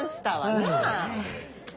なあ。